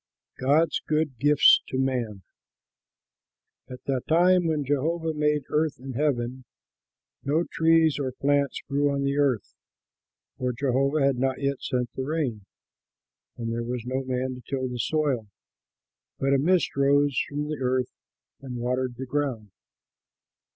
GOD'S GOOD GIFTS TO MAN At the time when Jehovah made earth and heaven, no trees or plants grew on the earth, for Jehovah had not yet sent the rain; and there was no man to till the soil; but a mist rose from the earth and watered the ground.